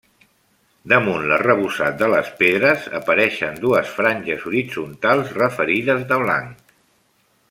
Damunt l’arrebossat de les pedres apareixen dues franges horitzontals referides de blanc.